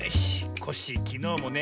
コッシーきのうもね